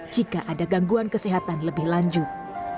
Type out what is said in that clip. jika ada gangguan kesehatan lebih lanjut